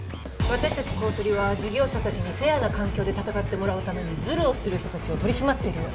私たち公取は事業者たちにフェアな環境で戦ってもらうためにずるをする人たちを取り締まっているの。